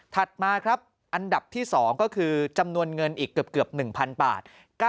มาครับอันดับที่๒ก็คือจำนวนเงินอีกเกือบ๑๐๐๐บาท